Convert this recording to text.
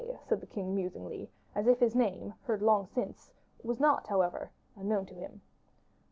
said the king, musingly, as if his name, heard long since, was not, however, unknown to him.